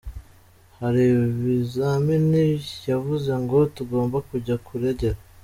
Hari ibizamini yavuze ngo tugomba kujya kuregera.